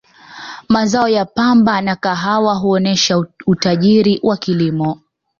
mazao ya pamba na kahawa huonesha utajiri wa kilimo